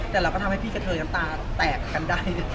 แต่เราก็ทำให้พี่กระเทยน้ำตาแตกกันได้